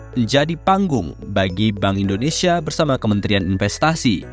menjadi panggung bagi bank indonesia bersama kementerian investasi